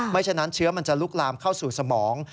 ฉะนั้นเชื้อมันจะลุกลามเข้าสู่สมอง